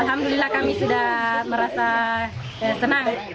alhamdulillah kami sudah merasa senang